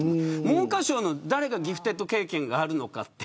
文科省の誰がギフテッド経験があるのか。